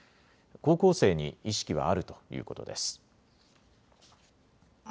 高校生に意識はあるということです。